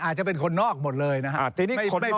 อาจจะเป็นคนนอกหมดเลยไม่เป็นสอครับผม